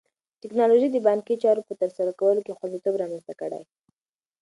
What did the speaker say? ټیکنالوژي د بانکي چارو په ترسره کولو کې خوندیتوب رامنځته کړی.